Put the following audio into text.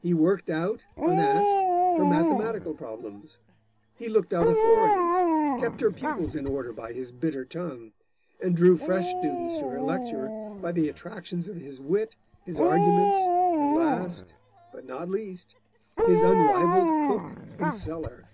He worked out, unasked, her mathematical problems; he looked out authorities, kept her pupils in order by his bitter tongue, and drew fresh students to her lectures by the attractions of his wit, his arguments, and last, but not least, his unrivalled cook and cellar.